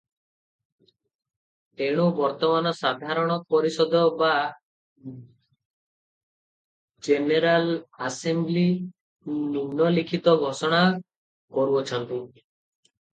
ତେଣୁ ବର୍ତ୍ତମାନ ସାଧାରଣ ପରିଷଦ ବା ଜେନେରାଲ୍ ଆସେମ୍ବ୍ଲି ନିମ୍ନଲିଖିତ ଘୋଷଣା କରୁଅଛନ୍ତି ।